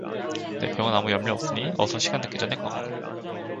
내 병은 아무 염려 없으니 어서 시간 늦기 전에 가 거라.